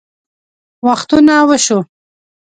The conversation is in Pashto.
وختونه وشوه